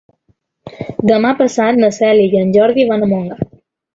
Demà passat na Cèlia i en Jordi van a Montgat.